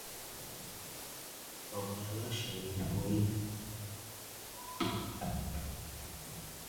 Ọba Aláṣẹ ni gbogbo àwọn ọba tó ti jẹ nílùú wa.